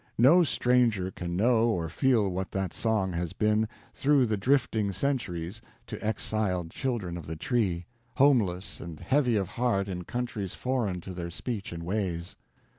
No stranger can know or feel what that song has been, through the drifting centuries, to exiled Children of the Tree, homeless and heavy of heart in countries foreign to their speech and ways.